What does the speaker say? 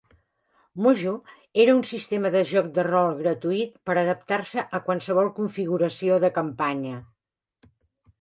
Mojo era un sistema de joc de rol gratuït per adaptar-se a qualsevol configuració de campanya.